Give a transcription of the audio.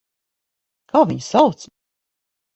Kā viņu sauc?